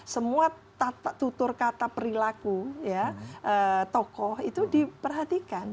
semua tutur kata perilaku tokoh itu diperhatikan